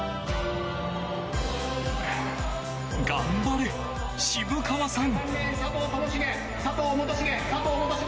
頑張れ、渋川さん！